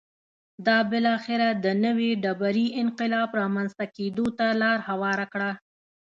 دا بالاخره د نوې ډبرې انقلاب رامنځته کېدو ته لار هواره کړه